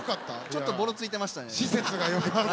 ちょっとボロついてましたね。